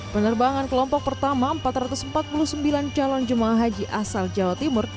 penerbangan kelompok pertama empat ratus empat puluh sembilan calon jemaah haji asal jawa timur